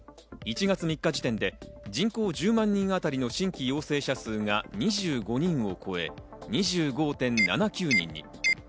１月３日時点で人口１０万人あたりの新規陽性者数が２５人を超え、２５．７９人に。